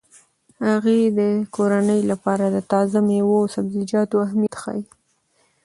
هغې د کورنۍ لپاره د تازه میوو او سبزیجاتو اهمیت ښيي.